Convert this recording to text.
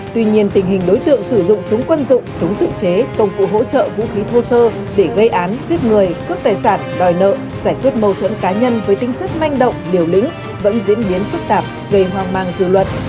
tuy nhiên tình hình đối tượng sử dụng súng quân dụng súng tự chế công cụ hỗ trợ vũ khí thô sơ để gây án giết người cướp tài sản đòi nợ giải quyết mâu thuẫn cá nhân với tính chất manh động liều lĩnh vẫn diễn biến phức tạp gây hoang mang dư luận